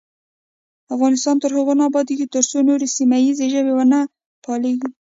افغانستان تر هغو نه ابادیږي، ترڅو نورې سیمه ییزې ژبې ونه پالیږي.